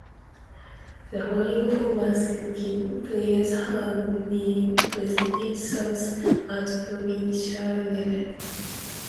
The following former Selkirk players have represented South at provincial level.